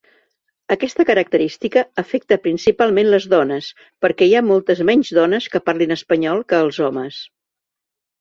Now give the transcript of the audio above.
Aquesta característica afecta principalment les dones perquè hi ha moltes menys dones que parlin espanyol que els homes.